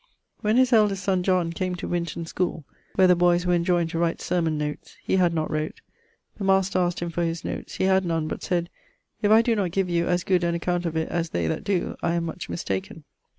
When his eldest son, John, came to Winton schoole (where the boyes were enjoyned to write sermon notes) he had not wrote; the master askt him for his notes he had none, but sayd, 'If I doe not give you as good an account of it as they that doe, I am much mistaken.'